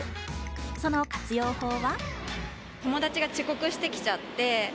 その活用法は？